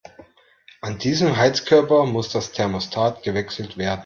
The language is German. An diesem Heizkörper muss das Thermostat gewechselt werden.